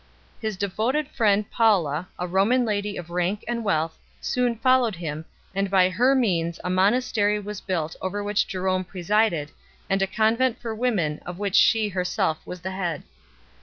His devoted friend Paulla, a Roman lady of rank and wealth, soon followed him, and by her means a monas tery was built over which Jerome presided, and a convent for women of which she herself was the head.